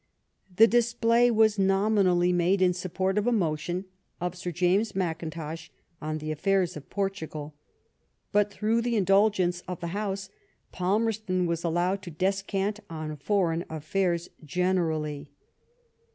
The display was nominally made in support of a motion of Sir James Mackintosh on the affairs of Portugal, but through the indulgence of the House, Palmerston was allowed to descant on foreign affairs generally.